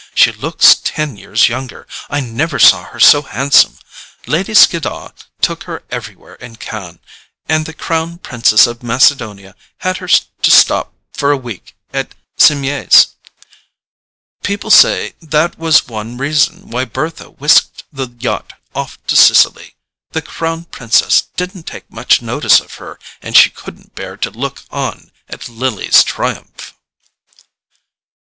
"She looks ten years younger—I never saw her so handsome. Lady Skiddaw took her everywhere in Cannes, and the Crown Princess of Macedonia had her to stop for a week at Cimiez. People say that was one reason why Bertha whisked the yacht off to Sicily: the Crown Princess didn't take much notice of her, and she couldn't bear to look on at Lily's triumph."